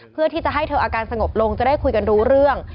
เพื่อที่จะให้เธออาการสงบลงจะได้คุยกันรู้เรื่อง